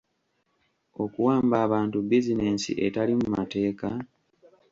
Okuwamba abantu bizinensi etali mu mateeka?